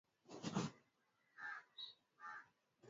sehemu ya rasi hiyo Waarabu wa mwisho wakatoka katika Hispania